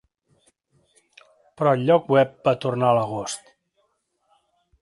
Però el lloc web va tornar l'agost.